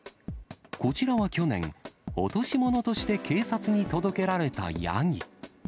こちらは去年、落とし物として警察に届けられたヤギ。